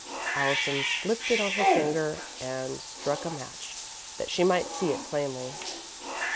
Allison slipped it on her finger and struck a match that she might see it plainly.